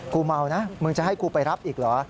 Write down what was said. กูเมานะมึงจะให้กูไปรับอีกเหรอ